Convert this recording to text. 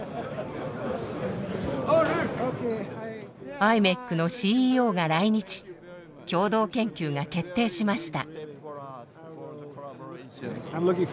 ｉｍｅｃのＣＥＯが来日共同研究が決定しました。